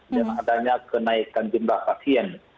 dan adanya kenaikan jumlah pasien